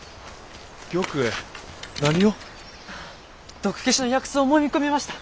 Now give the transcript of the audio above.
毒消しの薬草をもみ込みました！